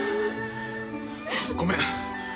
ごめん。